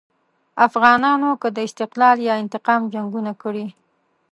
افغانانو که د استقلال یا انتقام جنګونه کړي.